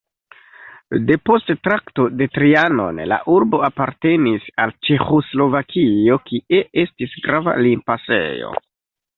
Depost Traktato de Trianon la urbo apartenis al Ĉeĥoslovakio, kie estis grava limpasejo.